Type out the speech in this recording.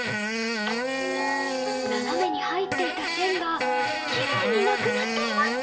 斜めに入っていた線がきれいになくなっています